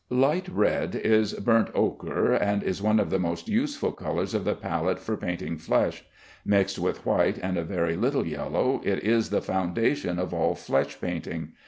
Light red is burnt ochre, and is one of the most useful colors of the palette for painting flesh. Mixed with white and a very little yellow it is the foundation of all flesh painting.